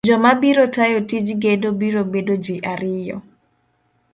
joma biro tayo tij gedo biro bedo ji ariyo.